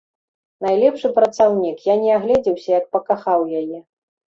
Найлепшы працаўнік, я не агледзеўся, як пакахаў яе.